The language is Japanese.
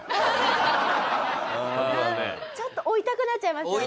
ちょっと追いたくなっちゃいますよね。